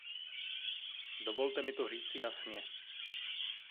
Dovolte mi to říci jasně.